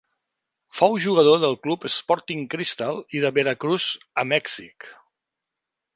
Fou jugador del club Sporting Cristal i de Veracruz a Mèxic.